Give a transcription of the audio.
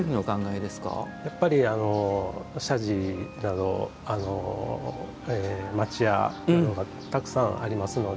やっぱり、社寺など町家などがたくさんありますので。